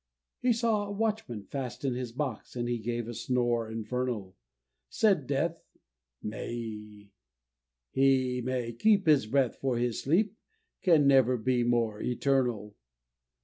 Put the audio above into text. He saw a watchman fast in his box, And he gave a snore infernal; Said Death, "He may keep his breath, for his sleep Can never be more eternal."